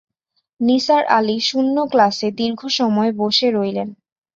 নিসার আলি শূন্য ক্লাসে দীর্ঘ সময় বসে রইলেন।